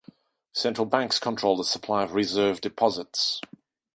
Central banks control the supply of Reserve deposits.